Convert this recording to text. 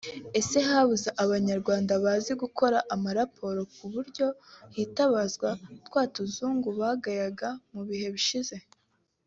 Ese habuze abanyarwanda bazi gukora amaraporo ku buryo hitabazwa twa tuzungu bagayaga mu bihe bishize